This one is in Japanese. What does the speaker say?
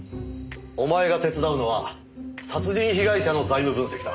お前が手伝うのは殺人被害者の財務分析だ。